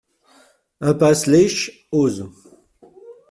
Impasse Léche, Eauze